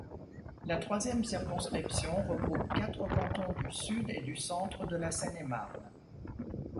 La troisième circonscription regroupe quatre cantons du sud et du centre de la Seine-et-Marne.